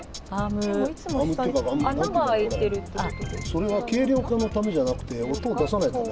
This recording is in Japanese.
それは軽量化のためじゃなくて音を出さないためなのかな。